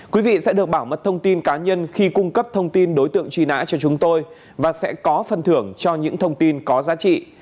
quý vị sẽ được bảo mật thông tin cá nhân khi cung cấp thông tin đối tượng truy nã cho chúng tôi và sẽ có phần thưởng cho những thông tin có giá trị